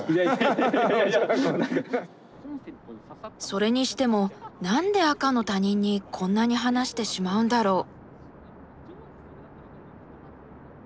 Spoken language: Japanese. それにしても何で赤の他人にこんなに話してしまうんだろう？